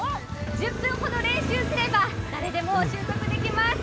１０分ほど練習すれば、誰でも習得できます。